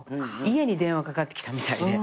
家に電話かかってきたみたいで。